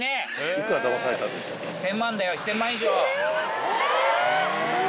１０００万だよ！